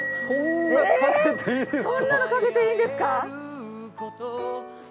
そんなのかけていいんですか！？